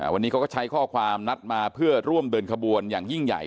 วันนี้เขาก็ใช้ข้อความนัดมาเพื่อร่วมเดินขบวนอย่างยิ่งใหญ่